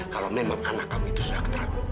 kalau memang anak kamu itu sudah keterlaluan